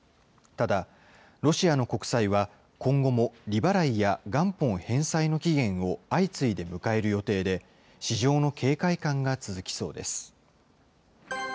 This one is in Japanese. ただ、ロシアの国債は今後も利払いや元本返済の期限を相次いで迎える予定で、市場の警戒感が続きそうです。